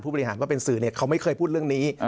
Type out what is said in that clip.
บริหารว่าเป็นสื่อเขาไม่เคยพูดเรื่องนี้